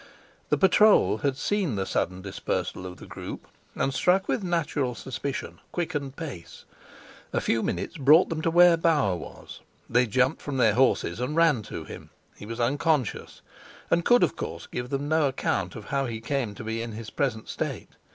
The patrol had seen the sudden dispersal of the group, and, struck with natural suspicion, quickened pace. A few minutes brought them where Bauer was. They jumped from their horses and ran to him. He was unconscious, and could, of course, give them no account of how he came to be in his present state.